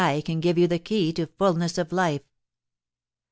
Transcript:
can give you the key to fulness of life.